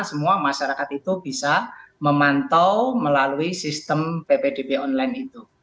semua masyarakat itu bisa memantau melalui sistem ppdb online itu